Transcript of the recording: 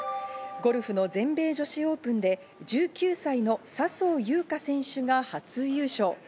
ゴルフの全米女子オープンで、１９歳の笹生優花選手が初優勝。